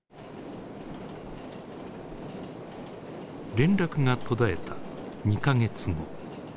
連絡が途絶えた２か月後。